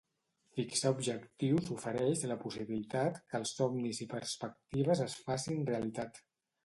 Fixar objectius ofereix la possibilitat que els somnis i perspectives es facin realitat.